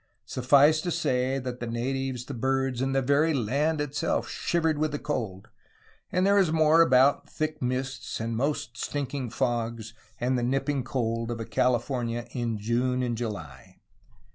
Suffice to say that the natives, the birds, and the very land itself shivered with the cold, and there is more about ' 'thicke mists and most stinking fogges," and the "nipping cold" of a California June and July!